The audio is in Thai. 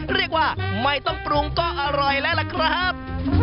เรียกว่าไม่ต้องปรุงก็อร่อยแล้วล่ะครับ